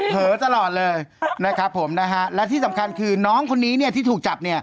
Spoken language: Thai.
เผลอตลอดเลยนะครับผมและที่สำคัญคือน้องคนนี้ที่ถูกจับ